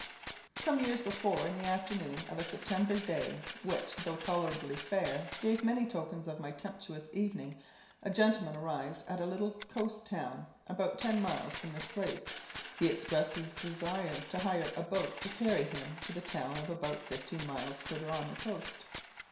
Some years before in the afternoon of a September day, which, though tolerably fair, gave many tokens of a tempestuous evening, a gentleman arrived at a little coast town about ten miles from this place; he expressed his desire to hire a boat to carry him to the town of about fifteen miles further on the coast.